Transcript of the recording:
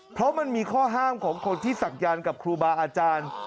เพราะมันมีข้อห้ามของคนที่ศักยานกับครูบาอาจารย์